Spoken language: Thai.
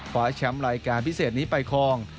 คว้าแชมป์รายการพิเศษนี้ไปคลอง